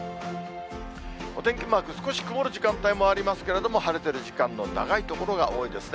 お天気マーク、少し曇る時間帯もありますけれども、晴れてる時間の長い所が多いですね。